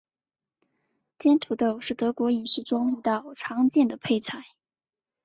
煎土豆是德国饮食中一道常见的配菜。